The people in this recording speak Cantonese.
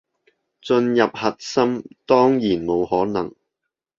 進入核心，當然冇可能